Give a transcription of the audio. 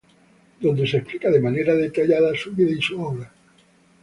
Donde se explica de manera detallada su vida y su obra.